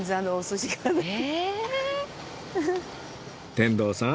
天童さん